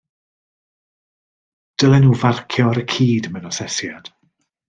Dylen nhw farcio ar y cyd mewn asesiad